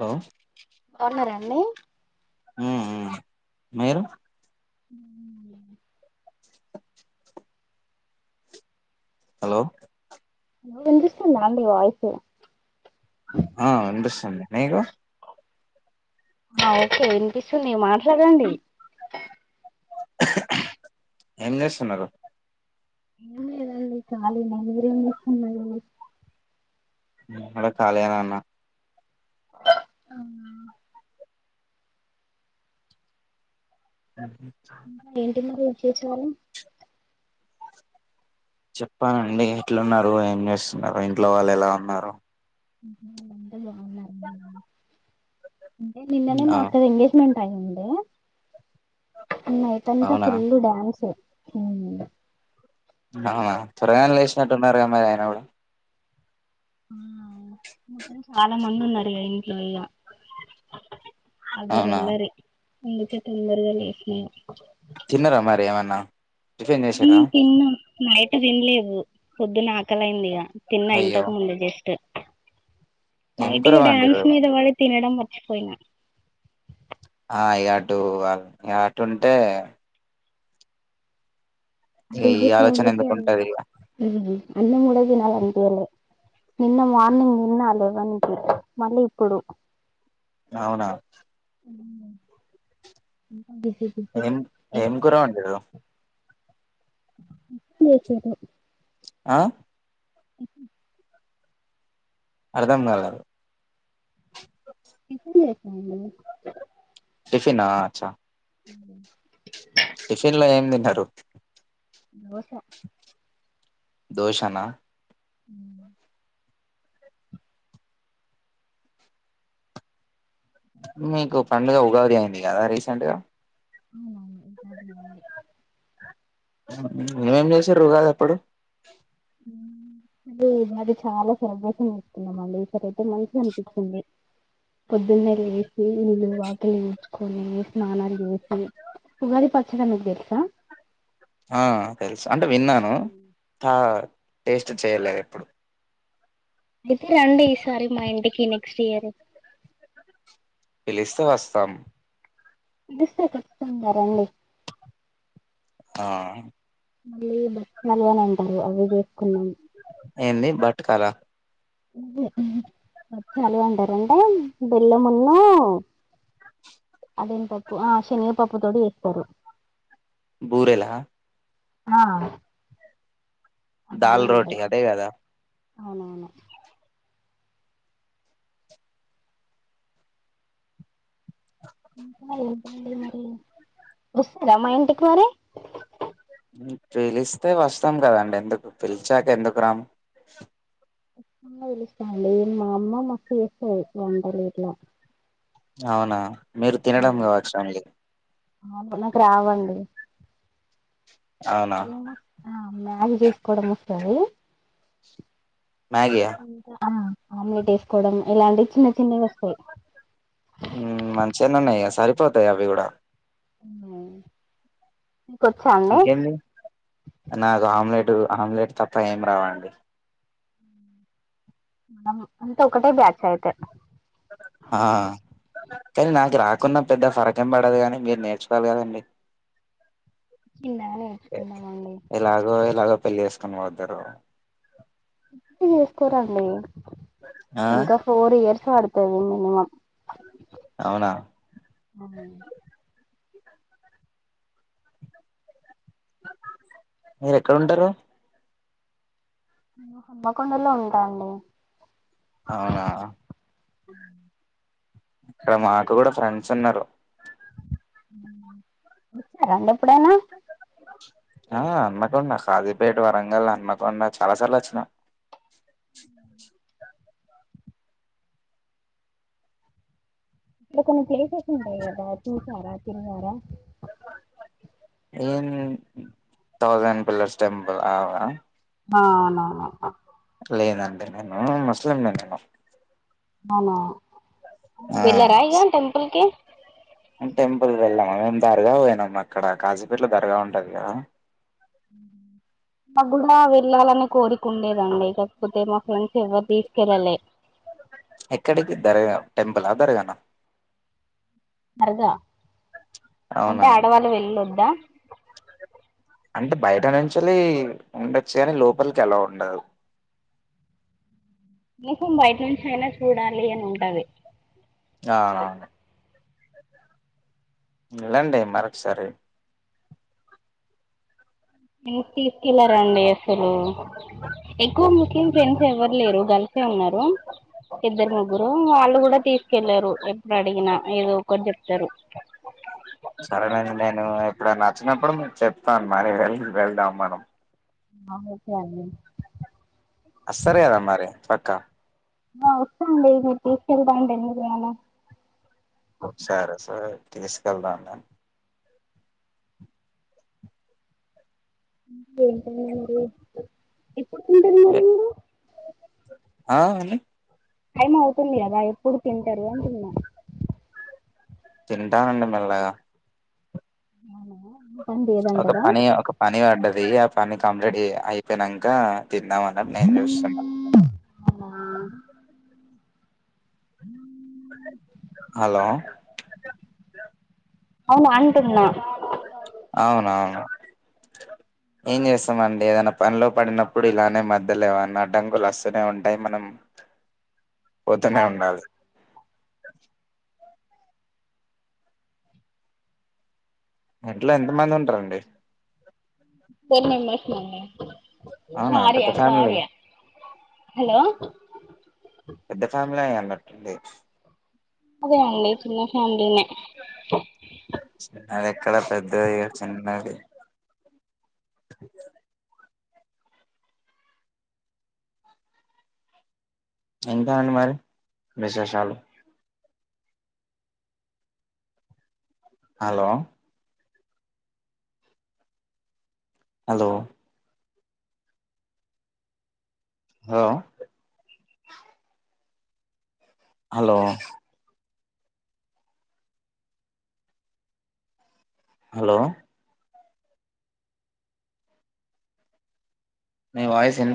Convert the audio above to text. Hello బాగున్నారాండి. మ్మ్ మ్మ్ మీరు మ్మ్ హలో వినిపిస్తుందా అండి వాయిస్ ఆ వినిపిస్తుంది మీకు ఆ ఓకే వినిపిస్తుంది. ఇగ మాట్లాడండి. ఏం చేస్తున్నరు. ఏం లేదండీ కాలినే మీరేం చేస్తున్నరు అడ కళన అన్నా ఆ అ చేస్తున్నారు చెప్పానండి ఎట్లున్నారు ఏం చేస్తున్నారు ఇంట్లో వాళ్ళు ఎలా ఉన్నారు అంత బాగున్నారు నిన్ననే ఆ మా అక్క ఎంగేజ్మెంట్ కై ఉండే నైట్ంతా అవునా ఫుల్ డ్యాన్స్ హ అనా త్వరగానే లేసినట్టు ఉన్నారు మరి ఆయన కూడా ఉవు చాలా మంది ఉన్నారు ఇ హమ్ అవునా అల్లరిల్లారి అందుకే తొందరగా లేచన్నా తిన్నారా మరి ఏమన్నా టిఫిన్ చేసిర్రా తిన్నా న అట్ వినలేవు పొద్దున ఆకలైందిగా తిన్నా అయ్యో ఇంతకు ముందు జస్ట్ ఏం కూర నైటిగా డ్యాన్స్ వండిర్రు మీద వ తినడం మర్చిపోయినా ఆ ఇ అటు ఇ అటు ఉంటే ఆ ఏ ఈ డీజే ఆలోచనంద ఉంటది అన్న కూడా తినాలినిలే నిన్న మార్నింగ్ తిన్న లెవెన్ కి మళ్ళీ ఇప్పుడు అవునా అ ఏం ఏం కురవండి ఎ ఆ ఇ అర్థంకాలే ఇస లేస టిఫన్ అ అ టిఫిన్ లో ఏం తిన్నారు దోస దోషనా అ మీకు పండుగ ఉగాది అయింది కదా రీసెంట్గా అవునవును ఈసారి వెళ్ళింది ఏం చేస్సిర్రు ఉగాది అప్పుడు అరే ఇది అది చాలా సెలబ్రేషన్ చేస్తున్నాం అండి ఈసరయితే మంచిగా అనిపించింది పొద్దున్నే లే చి ఇల్లు వాకిలి కొని స్నానాలు చేసి ఉగాది పచ్చడా మీకు తెలుసా ఆ తెలుసు అంటే విన్నాను ట టేస్ట్ చేయలేదు ఎప్పుడు అయితే రండి ఈసారి మా ఇంటికి నెక్స్ట్ ఇయర్ పిలిస్తే వస్తాం పిలిస్తే చెప్తాం కదండి ఆ మళ్ళీ బచ్చాలు అని అంటారు అవి చేసుకున్నాం ఏంది బట్కాల ఉంహు బచ్చాలు అంటారంటె బెల్లమున్న అదేం పప్పు ఆ శనిగ పప్పుతోడి చేస్తారు బూరేలా ఆ అలానే దాల్ రోటీ ఉంటాయి అదే కదా అవునవును ఇంకా ఏంటండి మరి వస్తారా మా ఇంటికి మరి మ్ పీలిస్తే వస్తాం కదండి ఎందుక్ నువ్ పిలిచాక ఎందుకురాము కచ్చితంగ పిలుస్తామండి మా అమ్మ మా అక్క చేస్తారు వంటలు గిట్ల అవునా మీరు తినడం కావచండి అవును నాకు రావండి అవునా ఎమో ఆ మ్యాగ్ చేసుకోవడం వస్తది మ్యాగీయా ఇంక అ ఆమ్లెట్ వేసుకోవడం ఇలాంటి చిన్న చిన్నవి వస్తాయి ఉమ్ మంచిగనె ఉన్నాయిగా సర్ పోతాయ్ అవి కూడా అవునా ఇంకేంటి నాకు ఆమ్లెట్ ఆమ్లెట్ తప్ప ఏం రావండి మనం అంతే ఒకటే బ్యాచ్ అయితే ఆ కానీ నాకు రాకున్నా పెద్ద ఫరక్ ఏం పడదు కానీ మీరు నేర్చుకోవాలి కదండి చిన్నగా నేర్చుకున్నామండి ఎ-ఎలాగో ఎలాగో పెళ్ళి చేస్ కానీ వాద్దరో ఇప్పుడే చేసుకోరండి ఆ ఇంకా ఫోర్ ఇయర్స్ పడుతు ఉంటది మినిమం అవునా ఉమ్ మీరు ఎక్కడుంటారు మేము హనుమకొండలో ఉంటా మండి అవునా ఉ ఇక్కడ మాకు కూడా ఫ్రెండ్స్ ఉన్నారు వచ్చారండి ఎప్పుడైనా ఆ హన్మకొండ కాజీపేట్ వరంగల్ హన్మకొండ చాలా సార్లు వచ్చినం ఇప్పుడ కొన్ని ప్లేసెస్ ఉంటయి కదా చూసారా తిరిగారా ఏమ్ థౌసండ్ పిల్లర్స్ టెంపుల్ అవా ఆ అవునవును లేదండి నేను ముస్లిం నే నేను అవునా అయితే ఆ వెళ్ళరా ఇగా టెంపుల్ కి టెంపుల్ వెళ్ళామ్ మేము దర్గాకి పోయినాము అక్కడ కాజీపేట్లో దర్గా ఉంటది కదా నాకు కూడా వెళ్ళాలని కోరిక ఉండేదండి కాకపోతే మా ఫ్రెండ్స్ ఎవ్వరు తీసుకెళ్ళలేి ఎక్కడికి దర్గా టెంపుల్ ఆ దర్గా నా దర్గా అంటే అవునా ఆడవాళ్ళ వెళ్ళొద్దా అంటే బయట నుంచాలి ఉండొచ్చు గాని లోపలికి అలో ఉండదు నాకు బయట నుంచి అయినా చూడాలి అని ఉంటాది ఆ అవునవును వెళ్ళండి మరొకసారి మీర్ తీసుకెళ్లారండి అసలు ఎక్కువ ముస్లిం ఫ్రెండ్స్ ఎవరు లేరు గర్ల్ సే ఉన్నారు ఇద్దరు ముగ్గురు వాళ్ళు కూడా తీసుకెళ్లరూ అప్పు అడిగినా ఏదో ఒకటి చెప్తారు సరేనండి నేను ఎప్పుడైనా వచ్చినప్పుడు మీకు చెప్తాను మరి వె వెళ్దాం మనం ఆ ఓకే అండి సరేరా మరి పక్క హా వస్తాండి మీరు తీసుకెళ్తాను అంటే ఎందుకు రాను సరే సరే తీసుకెళ్తా అండి మ్ వెంటనే మ్యారేజ్ ఇప్ సూటిగ నేను మాట్లాడు ఆ అను టైం అవుతుంది కదా ఎప్పుడు తింటారు అంటున్నా తింటానండి మెల్లగా అవునా ఒక పని ఒక పని పడ్డది ఎ ఆ పని కంప్లీట్ చే అయిపోయినంకా తిద్దా అన్నమ్ నేను చూస్తున్నా [inaudible] హలో అవును అంటున్నా అవునవును ఏం చేస్తామండి ఏదై పనిలో పడినప్పుడు ఇలానే మధ్యలోఏవన్నా అడంకులు వస్తనే ఉంటయి మనం పొతనే ఉండాలి [inaudible] ఇంటల్లా ఎంత మంది ఉంటారండి టెన్ మెంబెర్స్ అండి అవునా కార్య పెద్ద ఫ్యామిలి కార్య యే హలో పెద్ద ఫ్యామిలీ అయ్యా న్ తట్టిన్ డేస్ అదే అండి చిన్న ఫ్యామిలీ నే అది ఎక్కడ పెద్ద కాదు చిన్నది [inaudible] ఇంకా అనండి మరి విశేషాలు hello hello hello hello hello ని వాయిస్ ఎంది